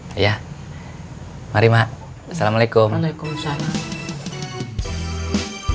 ya iya mari mak assalamualaikum waalaikumsalam